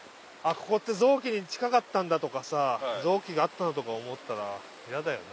ここって臓器に近かったんだとかさ臓器があったなとか思ったら嫌だよな。